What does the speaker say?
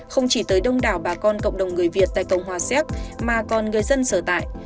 không chỉ tới đông đảo bà con cộng đồng người việt tại cộng hòa xéc mà còn người dân sở tại